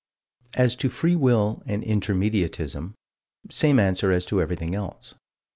As to free will and Intermediatism same answer as to everything else.